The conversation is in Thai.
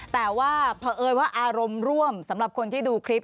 แต่ว่าเพราะเอิญว่าอารมณ์ร่วมสำหรับคนที่ดูคลิป